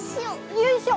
よいしょ。